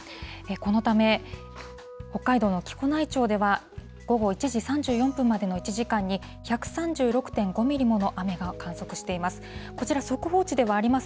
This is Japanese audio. このため、北海道の木古内町では、午後１時３４分までの間に１時間に１３６．５ミリもの雨が観測しています。